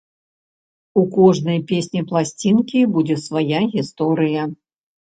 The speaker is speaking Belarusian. У кожнай песні пласцінкі будзе свая гісторыя.